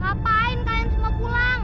ngapain kalian semua pulang